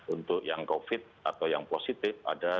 untuk yang covid atau yang positif ada dua puluh empat